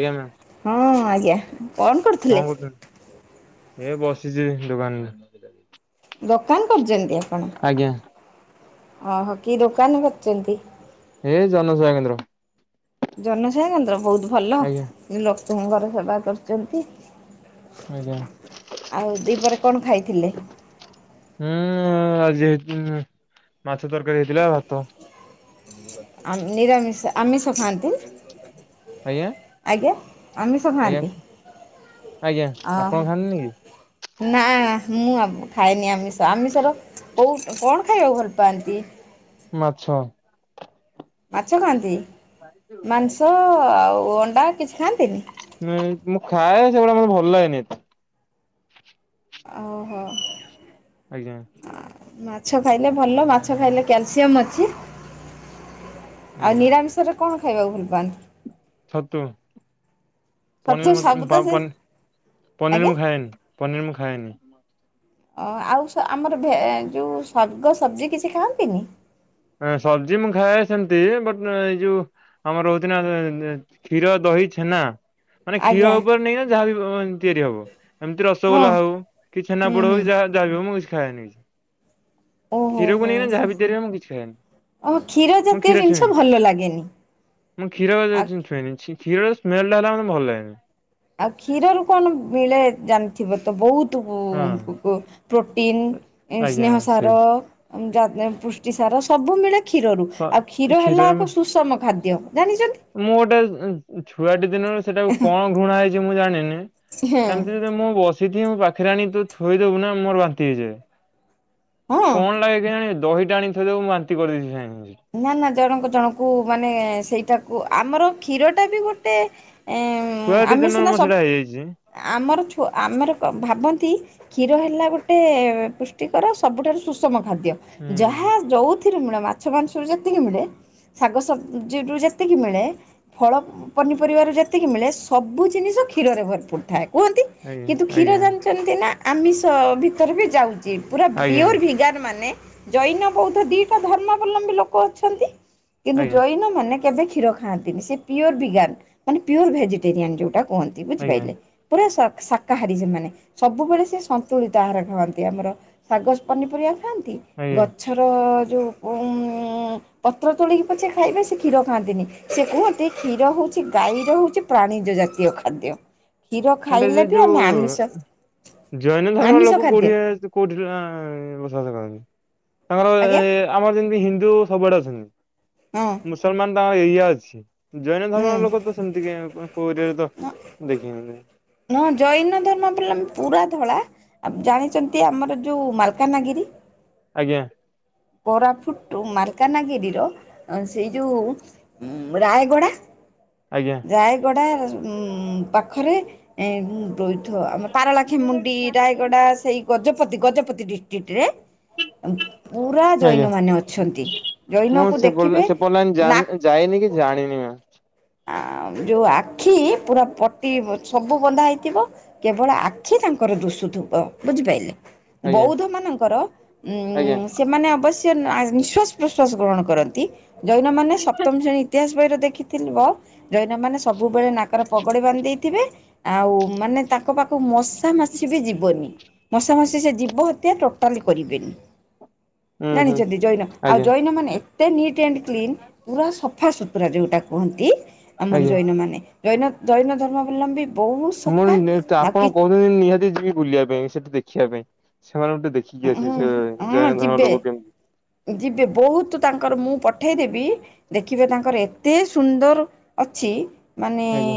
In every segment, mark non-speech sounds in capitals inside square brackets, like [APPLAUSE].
ଆଜ୍ଞା ମ୍ୟାମ୍। ହଁ ଆଜ୍ଞା କଣ କରୁଛନ୍ତି। ଏ ବସିଛି ଦୋକାନରେ। ଦୋକାନ କରିଛନ୍ତି ଆପଣ। ଆଜ୍ଞା ଓହୋ କି ଦୋକାନ କରିଛନ୍ତି? ଏ ଜନସେବା କେନ୍ଦ୍ର। ଜନ ସେବାକେନ୍ଦ୍ର ବହୁତ ଭଲ ଆଜ୍ଞା ଲୋକଙ୍କର ସେବା କରୁଛନ୍ତି। ଆଜ୍ଞା। ଆଉ ଦୁଇପହରେ କଣ ଖାଇଥିଲେ? ହୁଁ ଆଜି ହେଇ ମାଛ ତରକାରୀ ହେଇଥିଲା ଭାତ। ଆ ନିରାମିଷ ଆମିଷ ଖାଆନ୍ତି? ଆଜ୍ଞା ଆଜ୍ଞା। ଆମିଷ ଆଜ୍ଞା ଖାଆନ୍ତି। ଆଜ୍ଞା ଆପଣ ଓହୋ। ଖାଆନ୍ତିନି କି? ନା ମୁଁ ଆ ଖାଏନି ଆମିଷ ଆମିଷର କୋଉ କଣ ଖାଇବାକୁ ଭଲ ପାଆନ୍ତି? ମାଛ। ମାଛ ଖାଆନ୍ତି, ମାଂସ ଆଉ ଅଣ୍ଡା କିଛି ଖାଆନ୍ତିନି? ନାଇଁ ହୁଁ ମୁଁ ଖାଏ ସେଗୁଡ଼ା ମତେ ଭଲ ଲାଗେନିଏତେ ଓ ହୋ। ଆଜ୍ଞା। ହୁଁ ମାଛ ଖାଇଲେ ଭଲ ମାଛ ଖାଇଲେ କ୍ୟାଲସିୟମ ଅଛି। ଆଉ ଆଜ୍ଞା ନିରାମିଷରେ କଣ ଖାଇବାକୁ ଭୁଲ ପାଆନ୍ତି? ଛତୁ, ଛତୁ ପନିରି ସବୁ ତ ସେ ପନିର ଆଜ୍ଞା। ମୁଁ ଖାଏନି। ପନିରି ମୁଁ ଖାଏନି। ଆଉ ସ ଆମର ଭେ ଯୋଉଁ ଶାଗ ସବଜି କିଛି ଖାଆନ୍ତିନି? ସବଜି ମୁଁ ଖାଏ ସେମିତି ବୁଟ କିନ୍ତୁ ଏଇ ଯୋଉ ଆମର ହେଉଛି ନା କ୍ଷୀର, ଦହି, ଛେନା। ମାନେ କ୍ଷୀର ଆଜ୍ଞା ଉପରେ ନେଇକିନା ଯାହା ବି ତିଆରି ହବ ଏମିତି ହଁ ରସଗୋଲା ହଉ କି ହୁଁ ଛେନାପୋଡ଼ ହଉ ହୁଁ କି ଯାହା ଯାହାବି ହୋଉ ମୁଁ କିଛି ଖାଏନି। ଓହୋ କ୍ଷୀରକୁ ହୋ ନେଇକି ସେ ଯାହା ଭିତରେ ମୁଁ କିଛି ଖାଏନି। ଓ କ୍ଷୀର ଜାତୀୟ ଜିନିଷ ଭଲ ଲାଗେନି? ମୁଁ କ୍ଷୀର ଆଉ ଛୁଇନି କ୍ଷୀର ସ୍ମେଲେ ସ୍ମେଲ ମୋତେ ଭଲ ଲାଗେନି। ଆଉ କ୍ଷୀରରୁୁ କଣ ମିଳେ ଜାଣିଥିବେ ତ ବହୁତୁ ହଁ ପ୍ରୋଟିନ୍ ଆଜ୍ଞା ସ୍ନେହ ସେ ସାର ଯା ପୁଷ୍ଟିସାର ସବୁ ମିଳେ। କ୍ଷୀରରୁ ସ- ଆଉ କ୍ଷୀର ହେଲା କ୍ଷୀରରେ ମୁଁ ଏକ ସୁଷମ ଖାଦ୍ୟ ଜାଣିଛନ୍ତି? ମୁଁ ଗୋଟେ ଛୁଆଟି ଦିନରୁ ସେଟାକୁ କଣ ଘୃଣା ହେଇଛି ମୁଁ ଜାଣିନି ଏମିତି ମୁଁ ବସିଛିି ମୋ ପାଖରେ ଆଣି ତୁ ଥୋଇଦବୁ ନା ମୋର ବାନ୍ତି ହେଇଯାଏ। ହଁ ହଁ। କଣ ଲାଗେ କେୟାଣୀ ଦହିଟା ଆଣିଥୋଇଦେବୁ ବାନ୍ତି କରି। [INAUDIBLE] ନା ନା ଜଣକ ଜଣଙ୍କୁ ମାନେ ସେଇଟାକୁ ଆମର କ୍ଷୀର ଟା ବି ଗୋଟେ ଏ ଛୁଆଟି ଆମେ ଦିନରୁ ସିନା ମୋର ସେଇଟା ସବୁ ହେଇଯାଇଛି। ଆମର ଛୁ ଆମର ଭାବନ୍ତି। କ୍ଷୀର ହେଲା ଗୋଟେ ପୁଷ୍ଟିକର ସବୁଠାରୁ ସୁଷମ ଖାଦ୍ୟ। ହୁଁ ଯାହା ଯୋଉଥିରେ ମିଳେ ମାଛ ମାଂସରୁ ଯେତିକି ମିଳେ। ଶାଗ ସବଜିରୁ ଯେତିକି ମିଳେ ଫଳ ପନିପରିବାରୁ ଯେତିକି ମିଳେ ସବୁ ଜିନିଷ କ୍ଷୀରରେ ଭରପୁର ଥାଏ। କୁହନ୍ତି ଆଜ୍ଞା କିନ୍ତୁ କ୍ଷୀର ଆଜ୍ଞା ଜାଣିଛନ୍ତି ନା ଆମିଷ ଭିତରେ ବି ଯାଉଛି? ପୁରା ଆଜ୍ଞା ଫିୟର ଭିଗାନ ମାନେ ଜୈନ ବୌଦ୍ଧ ଦିଟା ଧର୍ମାବଲମ୍ବୀ ଲୋକ ଅଛନ୍ତି? କିନ୍ତୁ ଆଜ୍ଞା ଜୈନମାନେ କେବେ କ୍ଷୀର ଖାଆନ୍ତିନି ସେ ପିଓର ବିଜଞାନ ମାନେ ପିଓର ଭେଜିଟେରିଆନ୍ ଯେଉଁଟା କୁହନ୍ତି। ଆଜ୍ଞା ବୁଝିପାରିଲେ ପୁରା ଶାକାହାରୀ ସେମାନେ ସବୁବେଳେ ସେ ସନ୍ତୁଳିତହାର ଖାଆନ୍ତି ଆମର। ଶାଗ ପନିପରିବା ଖାଆନ୍ତି ଆଜ୍ଞା। ଗଛର ଯୋଉ ଉଁ ପତ୍ର ତୋଳିକି ପଛେ ଖାଇବେ ସେ କ୍ଷୀର ଖାଆନ୍ତିନି ସେ କୁହନ୍ତି କ୍ଷୀର ହେଉଛି ଗାଈର ହେଉଛି ପ୍ରାଣିୀଯଜାତୀୟ ଖାଦ୍ୟ। କ୍ଷୀର ଏଟା ସେ ଖାଇଲେ ବି ଆମେ ଯୋଉ ଆମିଷ ଜୈନ ଧର୍ମର ଆମିଷ ଲୋକ ଖାଦ୍ୟ କୋଢିଆ କେଉଠି ଯୋ ଆଁ ବସବାସ କରନ୍ତି ତାଙ୍କର ଆଜ୍ଞା ଆମର ଯେମିତି ହିନ୍ଦୁ ସବୁଆଡ଼େ ଅଛନ୍ତି। ହଁ। ମୁସଲମାନ ତାଙ୍କର ଏଇଆ ଅଛି। ଜୈନ ହଁ ଧର୍ମର ଲୋକ ତ ସେମିତି କାଇଁ କଁ କୋଉରିଆରେ ତ ହୁଁ ଦେଖନି। ହଁ ଜୈନ ଧର୍ମ ପିଲା ପୁରା ଧଳା ଆ ଜାଣିଚନ୍ତି ଆମର ଯୋଉ ମାଲକାନଗିରି ଆଜ୍ଞା। କୋରାପୁଟୁ ମାଲକାନଗିରିର ସେଇ ଯୋଉ ରାୟଗଡ଼ା ଆଜ୍ଞା। ରାୟଗଡ଼ା ମ୍ ପାଖରେ ମ୍ ରୋଇଥ ଆମ ପାରଳାଖୋମୁଣ୍ଡି ରାୟଗଡ଼ା ସେଇ ଗଜପତି ଗଜପତି ଡିଷ୍ଟ୍ରିକ୍ଟ ରେ ପୁରା ଆଜ୍ଞା। ଜୈନମାନେ ଅଛନ୍ତି ମୁଁ ଜୈନକୁ ସେପ ଦେଖିବେ ସେପଟ ଲାଇନ ନା ଯାଇନି କି ଜାଣିନି ମା। ଆ ଯୋଉ ଆଖି ପୁରା ପତି ସବୁ ବନ୍ଧା ହେଇଥିବ କେବଳ ଆଖି ତାଙ୍କର ଦୁଷୁ ଥୁବ ବୁଝିପାଇଲେ। ଆଜ୍ଞା ବୌଦ୍ଧ ମାନଙ୍କର ଆଜ୍ଞା ଉ ସେମାନେ ଅବଶ୍ୟ ସେ ନା ନିଶ୍ୱଵାସ ପ୍ରଶ୍ୱାସ ଗ୍ରହଣ କରନ୍ତି ଜୈନମାନେ ସପ୍ତମ ଶ୍ରେଣୀ ଇତିହାସ ବହିରେ ଦେଖିଲି ଥିବ ଜୈନ ମାନ ସବୁବେଳେ ନାକରେ ପଗୋଡ଼ି ବାନ୍ଧି ଦେଇଥିବେ ଆଉ ମାନେ ତାଙ୍କ ପାଖକୁ ମସ ମଶା ମାଛି ବି ଯିବନି ମଶା ମାସିି ସେ ଜୀିବ ହତ୍ୟା ଟୋଟାଲି କରିବେନି। ହୁଁ ହୁଁ ଜାଣିଚନ୍ତି ଜୈନ ଆଉ ଆଜ୍ଞା। ଜୈନ ମାନେ ଏତେ ଏତେ ନିଟ୍ ଆଣ୍ଡ କ୍ଲିନ ପୁରା ସଫାସୁତୁରା ଯୋଉଟା କୁହନ୍ତି ଆମର ଆଜ୍ଞା ଜୈନମାନେ। ଜୈନ ଦୈନ ଧର୍ମାବଲମ୍ବୀ ବହୁତ ସଫା ନେ ନ ଆପଣ କି ମୁଁ ନିହାତି ଯିବି ବୁଲିବା ପାଇଁ ସେଠି ଦେଖିବା ପାଇଁ ସେମାନେ ଟିକେ ଦେଖ କି ଆସିବି ହୁଁ ସେ ହଁ ଜୈନ ଧର୍ମ ଯିବେ ଲୋକ କେମିତି। ଯିବେ ବହୁତ ତାଙ୍କର ମୁଁ ପଠେଇଦେବି ଦେଖିବେ ତାଙ୍କର ଏତେ ସୁନ୍ଦର ଅଛି। ମାନେ ଆଜ୍ଞା।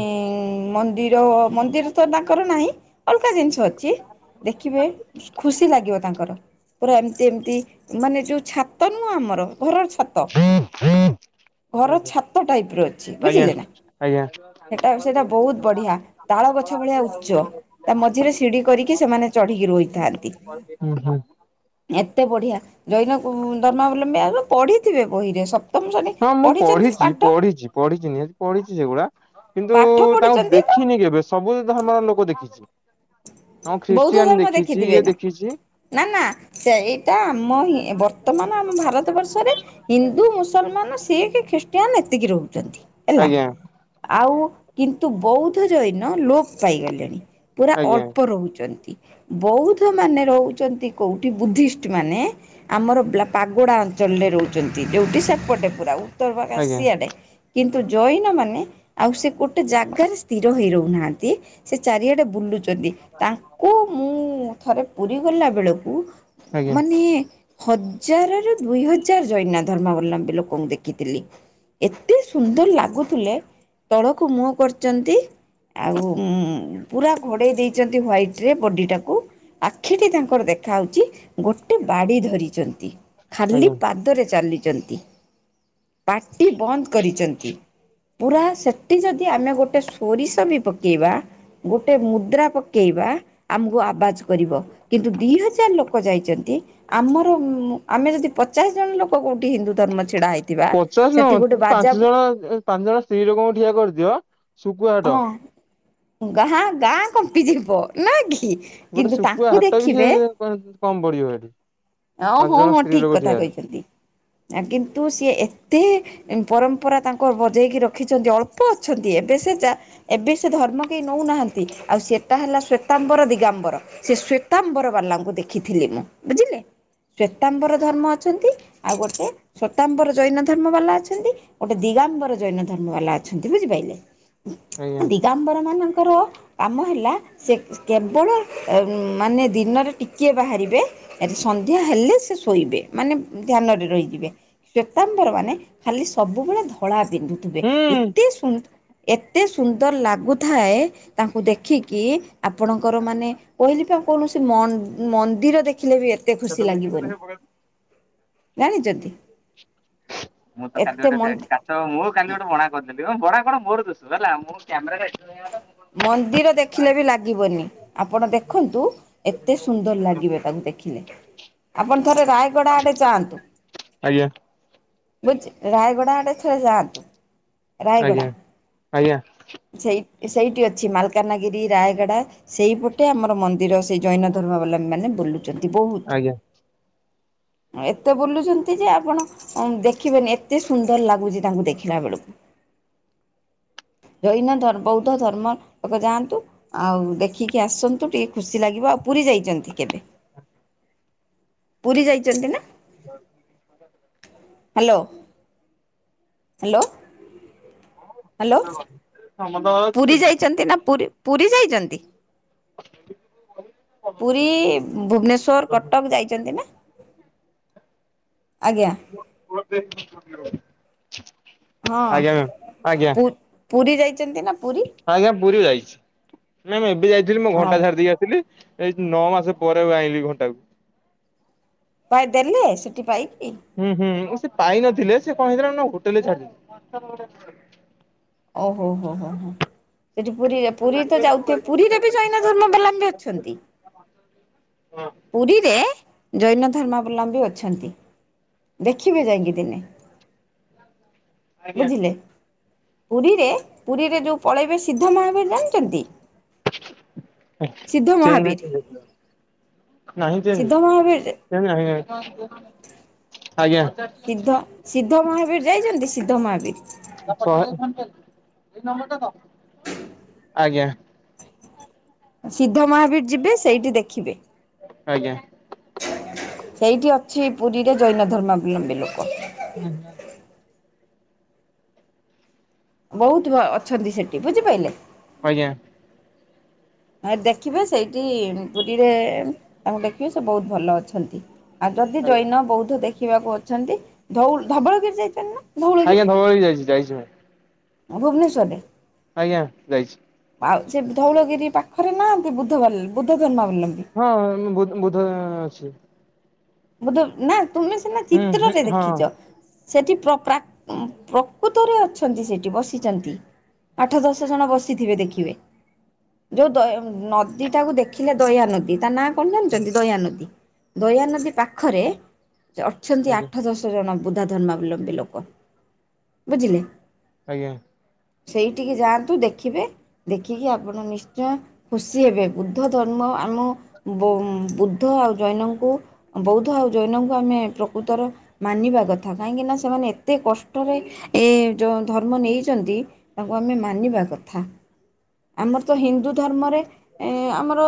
ମନ୍ଦିର ମନ୍ଦିର ତ ତାଙ୍କର ନାହିଁ। ଅଲଗା ଜିନିଷ ଅଛି ଦେଖିବେ ଖୁସି ଲାଗିବ ତାଙ୍କୁ। ପୁରା ଏମତିଏମିତି ମାନେ ଯୋଉ ଛାତ ନୁହଁ ଆମର ଘରର ଛାତ? [INAUDIBLE] ଘର ଛାତ ଟାଇପ୍ ର ଅଛି ଆଜ୍ଞା ବୁଝିଲେନା ଆଜ୍ଞା ସେଟା ସେଟା ବହୁତବଢ଼ିଆ। ତାଳଗଛ ଭଳିଆ ଉଚ୍ଚ ତା ମଝିରେ ସିଢି କରିକି ସେମାନେ ଚଢିକି ରହିଥାନ୍ତି। ହୁଁ ହୁଁ। ଏତେ ବଢିଆ ଜୈନ କୁ ଧର୍ମ ବୋଲି [UNINTELLIGIBLE] ପଢିଥିବେ ବହିରେ ସପ୍ତମଶ୍ରେଣୀ ପଢିଛନ୍ତିପାଠ। ପଢିଚି ପଢିଚି ନିହାତି। ପଢିଚି ସେଗୁଡା ପାଠ କିନ୍ତୁତାଙ୍କୁ ପଢିଛନ୍ତି ନା ଦେଖିନି କେବେ ସବୁ ଧର୍ମରଲୋକ ଦେଖିଚି। ହଁ ଖ୍ରୀଷ୍ଟିଆନ ଦେଖିଚି ଇଏ ଦେଖିଚି। ନାନା ସେଇଟା ଆମହିଁ ବର୍ତ୍ତମାନ ଆମ ଭାରତବର୍ଷରେ ହିନ୍ଦୁ ମୁସ ମୁସଲମାନ, ଶିଖ୍, ଖ୍ରୀଷ୍ଟିଆନ ଏତିକିରହୁଚନ୍ତି ହେଲା। ଆଜ୍ଞା ଆଉ କିନ୍ତୁ ବୌଦ୍ଧଜୈନ ଲୋପପାଇଗଲେଣି ପୁରା ଆଜ୍ଞା ଅଳ୍ପ ରହୁଚନ୍ତି ବୌଦ୍ଧମାନେ ରହୁଚନ୍ତି କୋଉଠି ବୁଦ୍ଧିଷ୍ଟମାନେ ଆମର [UNINTELLIGIBLE] ପାଗୋଡ଼ା ଅଞ୍ଚଳରେ ରହୁଚନ୍ତି ଯୋଉଟି ସେପଟେ ପୁରା [UNINTELLIGIBLE] ଆଜ୍ଞା ସିଆଡେ। କିନ୍ତୁ ଜୈନମାନେ ଆଉସେ ଗୋଟେ ଜାଗାରେ ସ୍ଥିର ହୋଇ ରହୁନାହାନ୍ତି। ସେ ଚାରିଆଡେ ବୁଲୁଚନ୍ତି। ତାଙ୍କୁ ମୁଁ ଥରେ ପୁରୀଗଲା ବେଳକୁ ଆଜ୍ଞା। ମାନେ ହଜାରରୁ ଦୁଇହଜାର ଜୈନ ଧର୍ମଅବଲମ୍ବୀ ଲୋକଙ୍କୁ ଦେଖିଥିଲି। ଏତେ ସୁନ୍ଦରଲାଗୁଥିଲେ ତଳକୁ ମୁହଁ କରୁଚନ୍ତି। ଆଉଁ ପୁରା ଘଡେଇ ଦେଇଛନ୍ତି ହ୍ଵାଇଟରେ ବଡିଟାକୁ। ଆଖିଟି ତାଙ୍କର ଦେଖାହଉଛି ଗୋଟେ ବାଡ଼ି ଧରିଛନ୍ତି। ଖାଲି ଆଜ୍ଞା ପାଦରେ ଚାଲିଚନ୍ତି ପାଟିବନ୍ଦ କରିଚନ୍ତି। ପୁରା ସେଠି ଯଦି ଆମେଗୋଟେ ସୋରିଷବି ପକେଇବା ଗୋଟେ ମୁଦ୍ରା ପକେଇବା ଆମକୁ ଆବାଜ କରିବ କିନ୍ତୁ ଦୁଇହଜାର ଲୋକଯାଇଚନ୍ତି। ଆମର ଆମେ ଯଦି ପଚାଶଜଣ ଲୋକ କୋଉଠି ହିନ୍ଦୁଧର୍ମ ପଚାଶ ନୁହ ପାଞ୍ଚଜଣ ପାଞ୍ଚଜଣ ସ୍ତ୍ରୀଲୋକଙ୍କୁ ଠିଆ କରିଦିଅ ଶୁଖୁଆହାଟ। ଗାଁଗାଁ କମ୍ପିଯିବ ନାକି। ଗୋଟେ ଶୁଖୁଆହାଟ ବି ସେ କମ ପଡିଜିବ ଏଠି। ପାଞ୍ଚ ଜଣ ଓହଁହଁ ସ୍ତ୍ରୀ ଲୋକ ଠିକକଥା ଠିଆ ହେଲେ କହିଛନ୍ତି କିନ୍ତୁ ସିଏ ଏତେ ପରମ୍ପରାତାଙ୍କର ବଜେଇକିରଖିଛନ୍ତି ଅଳ୍ପ ଅଛନ୍ତି ଏବେସେ ଯା ଏବେ ସେ ଧର୍ମ କେହି ନେଉନାହାନ୍ତି ଆଉ ସେ ସେଟାହେଲା ଶ୍ଵେତାମ୍ବର, ଦିଗାମ୍ବର ସେ ଶ୍ଵେତାମ୍ବର ବାଲାଙ୍କୁ ଦେଖିଥିଲି ମୁଁ ବୁଝିଲେ। ଶ୍ଵେତାମ୍ବରଧର୍ମ ଅଛନ୍ତି ଆଉଗୋଟେ। ସତାମ୍ବର ଜୈନଧର୍ମ ବାଲା ଅଛନ୍ତି ଆଉ ଗୋଟେ ଦିଗାମ୍ବର ଜୈନଧର୍ମ ବାଲା ଅଛନ୍ତି ବୁଝିପାଇଲେ। ଆଜ୍ଞା। [UNINTELLIGIBLE] ନଙ୍କର କାମ ହେଲା। ସେକେବଳ ଉଁ ମାନେ ଦିନରେ ଟିକିଏ ବାହାରିବେ। ସନ୍ଧ୍ୟାହେଲେ ସେ ଶୋଇବେ ମାନେ ଧ୍ୟାନରେ ରହିଯିବେ। ଶ୍ଵେତାମ୍ବର ମାନେ ଖାଲି ସବୁବେଳେ ଧଳା ପିନ୍ଧୁ ଥିବେ ହୁଁ। ଏତେ ସୁନ୍ଦର ଲାଗୁଥାଏ ତାଙ୍କୁ ଦେଖିକି କି ଆପଣଙ୍କର ମାନେ କହିଲି ପା କୌଣସି ମ-ମନ୍ଦିର ଦେଖିଲେ ବି ଏତେ ଏତେ କେତେ ଖୁସି ପଇସା କି ଲାଗିବନି ଦେଖେ ପକା। ଜାଣିଛନ୍ତିି। ମୁଁ ତ କାଲି ଗୋଟେ ହଉ ମୁଁ କାଲି ଗୋଟେ ବଣା କରିଦେଲି ବଣା କଣ ମୋର ଦୁଷୁ ହେଲା ମୁଁ କ୍ୟାମେରା [UNINTELLIGIBLE] ମନ୍ଦିର ଦେଖିଲେବି ଲାଗିବନି ଆପଣ ଦେଖନ୍ତୁ। ଏତେ ସୁନ୍ଦର ଲାଗିବେ ତାଙ୍କୁ ଦେଖିଲେ, ଆପଣ ଥରେ ରାୟ ଗଡ ଆଡେ ଯାଆନ୍ତୁ ଆଜ୍ଞା ବୁ ରାୟଗଡା ଆଡେ ଥରେ ଯାଆନ୍ତୁ। ରାୟଗଡ଼ା ଆଜ୍ଞା ଆଜ୍ଞା। ସେଇ ସେଇଟି ଅଛି ମାଲକାନାଗିରି ରାୟଗଡ଼ା ସେଇପଟେ ଆମର ମନ୍ଦିର ସେ ଜୈନ ଧର୍ମା ଅବଲମ୍ବୀ ମାନେ ବୁଲୁ ଚନ୍ତି ଆଜ୍ଞା। ବୋହୁତ ଏତେ ବୁଲୁଛନ୍ତି ଯେ ଆପଣ ଅମ ଦେଖିବେନି ଏତେ ସୁନ୍ଦର ଲାଗୁଚି ତାଙ୍କୁ ଦେଖିଲା ବେଳକୁ। ଜୈନ ଧର୍ ବୌଦ୍ଧ ଧର୍ମ ଲୋକ ଯାଆନ୍ତୁ। ଆଉ ଦେଖିକି ଆସନ୍ତୁ ଟିକେ ଖୁସି ଲାଗିବ ଆଉ ପୁରୀ ଯାଇଚନ୍ତି କେବେ? ପୁରୀ ଯାଇଚନ୍ତି ନା। ହାଲୋ। ହାଲୋ। ହାଲୋ ହଁ ଭଲ ଅଛି ପୁରୀ ଯାଇଛନ୍ତି ନା ପୁରୀ ପୁରୀ ଯାଇଚନ୍ତି। [INAUDIBLE] ପୁରୀ ଭୁବନେଶ୍ୱର କଟକ ଯାଇଛନ୍ତି ନା। ଆଜ୍ଞା। [UNINTELLIGIBLE] ହଁ ଆଜ୍ଞା ମ୍ୟାମ୍ ଆଜ୍ଞା ପୁ ପୁରୀ ଯାଇଚନ୍ତି ନା ପୁରୀ। ଆଜ୍ଞା ପୁରୀ ଯାଇଛି ନାଇଁ ମୁଁ ଏବେ ଯାଇଥିଲି ମୁଁ ହଁ ଘଣ୍ଟା ଛାଡି ଦେଇ ଆସିଲି। ଏଇ ନଅ ମାସେ ପରେ ଆଇଁଲି ଘଣ୍ଟାକୁ। ତାହିଁ ଦେଲେ ସେଠି ପାଇକି। ହୁଁ ହୁଁ ଉଁ ସିଏ ପାଇନଥିଲେ ସିଏ କଣ ହେଇଥିଲା ନା ହୋଟେଲରେ ଛାଡି ଦେଇ ଓ ହୋ ହୋ ହୋ ହୋ। ସେଠି ପୁରୀରେ ପୁରୀ ତ ଯାଉଥିବେ ପୁରୀରେ ବି ଜୈନ ଧର୍ମାବଲମ୍ବୀ ଅଛନ୍ତି। ହଁ। ପୁରୀରେ ଜୈନ ଧର୍ମାବଲମ୍ବୀ ଅଛନ୍ତି। ଦେଖିବେ ଯାଇଁକି ଦିନେ ବୁଝିଲେ। ପୁରୀରେ ପୁରୀରେ ଯୋଉ ପଳେଇବେ ସିଦ୍ଧ ମହାବୀର ଜାଣିଚନ୍ତି। ମହାବୀର [UNINTELLIGIBLE] ନାହିଁ ଚେଞ୍ଜେ ସିଦ୍ଧ ମହାବୀର ନା ନାହିଁ ନାହିଁ ଆଜ୍ଞା। ଇଦ୍ଧ ସିଦ୍ଧ ମହାବୀର ଯାଇଛନ୍ତି ସିଦ୍ଧ ମହାବୀର। [UNINTELLIGIBLE] ଆଜ୍ଞା। ସିଦ୍ଧ ମହାବୀର ଯିବେ ସେଇଠି ଦେଖିବେ। ଆଜ୍ଞା। ସେଇଠି ଅଛି ପୁରୀରେ ଜୈନ ଧର୍ମାବଲମ୍ବୀ ଲୋକ। ହୁଁ ହୁଁ। ବୋହୁତୁ ଅ ଅଛନ୍ତି ସେଟି ବୁଝିପାଇଲେ। ଆଜ୍ଞା। ଆଉ ଦେଖିବେ ସେଇଟି ଉଁ ପୁରୀରେ ତାଙ୍କୁ ଦେଖିବେ ସେ ବୋହୁତ ଭଲ ଅଛନ୍ତି। ଆଉ ଯଦି ଜୈନ ଆଜ୍ଞା ବୌଦ୍ଧ ଦେଖିବାକୁ ଅଛନ୍ତି ଧଉଲ୍ ଧବଳଗିରି ଯାଇଛନ୍ତି ନା। ଆଜ୍ଞା ଧବଳଗିରି ଯାଇଛି ଯାଇଛି ମ୍ୟାମ୍। ଆ ଭୁବନେଶ୍ୱରରେ ଆଜ୍ଞା ଯାଇଛି। ଆଉ ସେ ଧଉଳଗିରି ପାଖରେ ନାଆନ୍ତି ବୁଦ୍ଧ ବାଲ୍ ବୁଦ୍ଧ ଧର୍ମାବଲମ୍ବୀ। ହଁ ଉଁ ବୁ ବୁଧଁ ଅଛି। ବୁଦ୍ଧ ନା ତୁମେ ସିନା ହୁଁ ହୁଁ ଚିତ୍ରରେ ହଁ ଦେଖିଚ। ସେଠି ପ୍ର ପ୍ରା ଉଁ ପ୍ରକୁତରେ ଅଛନ୍ତି ସେଟି ବସିଚନ୍ତି। ଆଠ ଦଶ ଜଣ ବସିଥିବେ ଦେଖିବେ। ଯୋଉ ଦଏ ଉଁ ନଦୀଟାକୁ ଦେଖିଲେ ଦୟା ନଦୀ ତା ନାଁ ପଣ ଜାଣିଚନ୍ତି ଦୟା ନଦୀ ଦୟା ନଦୀ ପାଖରେ ଏ ଅଛନ୍ତି ଆଜ୍ଞା ଆଠ ଦଶ ଚ ଜଣ ବୁଦ୍ଧା ଧର୍ମାବଲମ୍ବୀ ଲୋକ ବୁଝିଲେ। ଆଜ୍ଞା। ସେଇଠିକି ଯାଆନ୍ତୁ ଦେଖିବେ ଦେଖିକି ଆପଣ ନିଶ୍ଚୟ ଖୁସି ହେବେ ବୁଦ୍ଧ ଧର୍ମ ଆମ ବୌ ଉଁ ବୁଦ୍ଧ ଆଉ ଜୈନଙ୍କୁ ଅଁ ବୌଦ୍ଧ ଆଉ ଜୈନଙ୍କୁ ଆମେ ପ୍ରକୃତରେ ମାନିବା କଥା କାହିଁକିନା ସେମାନେ ଏତେ କଷ୍ଟରେ ଏ ଯୋଉଁ ଧର୍ମ ନେଇଚନ୍ତି ତାଙ୍କୁ ଆମେ ମାନିବା କଥା। ଆମର ତ ହିନ୍ଦୁ ଧର୍ମରେ ଏ ଆମର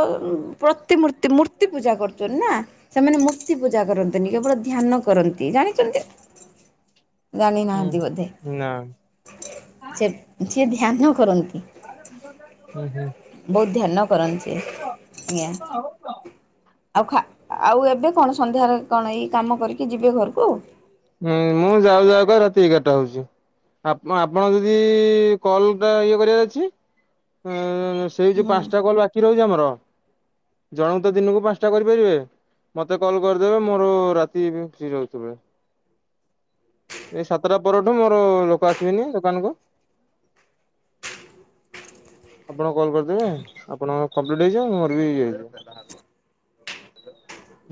ପ୍ରତିମୂର୍ତ୍ତି ମୂର୍ତ୍ତି ପୂଜା କରୁଚନ୍ତି ନା। ସେମାନେ ମୂର୍ତ୍ତି ପୂଜା କରନ୍ତିନି କେବଳ ଧ୍ୟାନ କରନ୍ତି ଜାଣିଚନ୍ତି? ହୁଁ ଜାଣିନାହାନ୍ତି ବୋଧେ ନା ସେ ସିଏ ଧ୍ୟାନ କରନ୍ତି। ହୁଁ ହୁଁ। ବୋହୁତ ଧ୍ୟାନ କ [INAUDIBLE] ଆଉ ଖା ଆଉ ଏବେ କଣ ସନ୍ଧ୍ୟାରେ କଣ ଏଇ କାମ କରିକି ଯିବେ ଘରକୁ? ହୁଁ ମୁଁ ଯାଉ ଯାଉକା ରାତି ଏଗାରଟା ହୋଉଛି। ଆପ ଆପଣଙ୍କ ଯଦି କଲ ଟା ଇଏ କରିବାର ଅଛି ଉଁ ସେ ହେଉଛି ହୁଁ ପାଞ୍ଚଟା କଲ ବାକି ରହୁଛି ଆମର ଜଣଙ୍କୁ ତ ଦିନକୁ ପାଞ୍ଚଟା କରିପାରିବେ। ମତେ କଲ୍ କରିଦେବେ ମୋର ରାତି ବି ଫ୍ରି ରହୁଚି ସବୁବେଳେ। ଏଇ ସାତଟା ପରଠୁ ମୋର ଲୋକ ଆସିବେନି ଦୋକାନକୁ। ଆପଣ କଲ୍ କରିଦେବେ ଆପଣଙ୍କର କମ୍ପ୍ଲିଟ୍ ହେଇଯିବ ମୋର ବି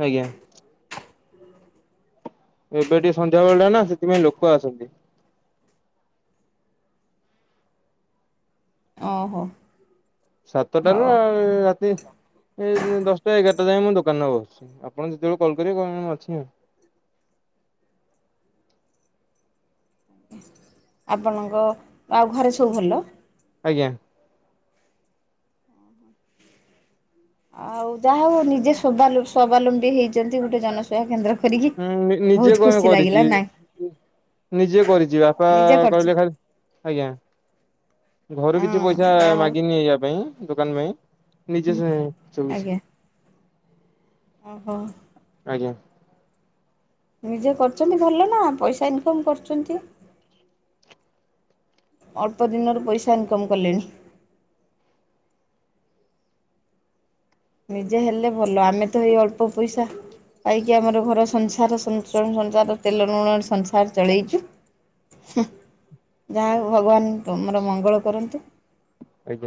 ଆଜ୍ଞା। ଏବେ ଟିକେ ସନ୍ଧ୍ୟାବେଳଟା ନା ସେଥିପାଇଁ ଲୋକ ଆସନ୍ତି। ଓ ହୋ। ସାତଟାରୁ ଆଉ ରାତି ଏ ଦଶଟା ଏଗାରଟା ଯାଏଁ ମୁଁ ଦୋକାନରେ ବସୁଛି ଆପଣ ଯେତେବେଳେ କଲ କରିବେ କହିବି ମୁଁ ଅଛି ଆଉ ଆପନଙ୍କ ଆଉ ଘରେ ସବୁ ଭଲ? ଆଜ୍ଞା। ଆଉ ଯାହା ହୋଉ ନିଜେ ସୁଭାଲୁ ସ୍ୱବାଲମ୍ବୀ ହେଇଛନ୍ତି ଗୋଟେ ଜନ ବା କେନ୍ଦ୍ର ଖୋଲିକି ହୁଁ ନିଜେ ବୋହୁତ କଣ ଖୁସି କରିଛି। ଲାଗିଲା ନାଁ ନିଜେ କରିଛି ବାପା କହିଲେ ଖାଲି ଆଜ୍ଞା ଘରୁ ହଁ କିଛି ପଇସା ଯାହା ହଉ ମାଗିନି ଇଆ ପାଇଁ ଦୋକାନ ପାଇଁ। ନିଜେ ଛାଏଁ ସବୁକିଛି। ଓ ହୋ। ଆଜ୍ଞା। ନିଜେ କରୁଚ ନ୍ତି ଭଲ ନା ପଇସା ଇନକମ୍ କରୁଚନ୍ତି। ଅଳ୍ପ ଦିନରୁ ପଇସା ଇନକମ୍ କଲେଣି। ନିଜେ ହେଲେ ଭଲ ଆମେ ତ ଏଇ ଅଳ୍ପ ପଇସା ପାଇକି ଆମର ଘର ସଂସାର ସଞ୍ଚୟ ସଂସାର ତେଲ ଲୁଣ ସଂସା ସାର ଚଳେଇଚୁ ହୁଁ ଯାହାହେଉ ଭଗବାନ ତମର ମଙ୍ଗଳ କରନ୍ତୁ। ଆଜ୍ଞା।